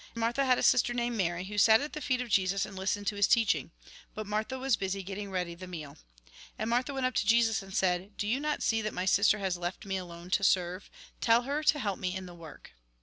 Martha had a sister named Mary, who sat at the feet of Jesus, and listened to his teaching. But Martha was busy getting ready the meal. And Martha went up to Jesus, and said :" Do you not see that my sister has left me alone to serve ? Tell her to help me in the work."